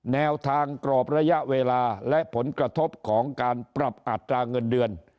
แนวทางกรอบระยะเวลาและผลกระทบของการปรับอัตราเงินเดือน